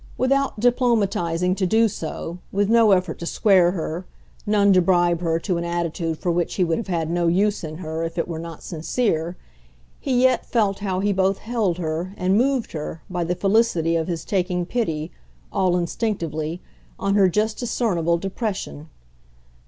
Without diplomatising to do so, with no effort to square her, none to bribe her to an attitude for which he would have had no use in her if it were not sincere, he yet felt how he both held her and moved her by the felicity of his taking pity, all instinctively, on her just discernible depression.